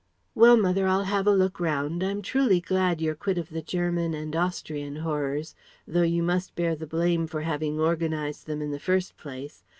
"Well, mother, I'll have a look round. I'm truly glad you're quit of the German and Austrian horrors, though you must bear the blame for having organized them in the first place.